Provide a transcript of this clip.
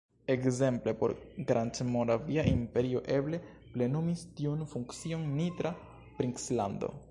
Ekzemple por Grandmoravia imperio eble plenumis tiun funkcion Nitra princlando.